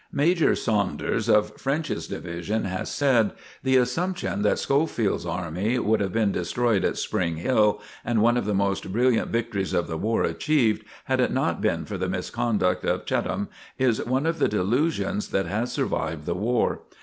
Major Saunders, of French's Division, has said: "The assumption that Schofield's army would have been destroyed at Spring Hill, and one of the most brilliant victories of the war achieved, had it not been for the misconduct of Cheatham, is one of the delusions that has survived the war....